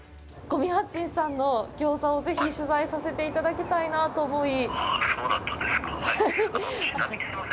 五味八珍さんの餃子をぜひ取材させていただきたいなと思い。